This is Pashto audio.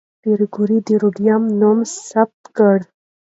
پېیر کوري د راډیوم نوم ثبت کړ.